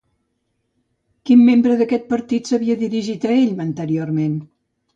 Quin membre d'aquest partit s'havia dirigit a ell anteriorment?